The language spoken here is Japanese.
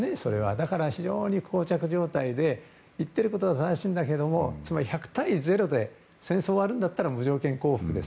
だから、非常に膠着状態で言っていることは正しいんだけれどもつまり１００対０で戦争が終わるなら無条件降伏です。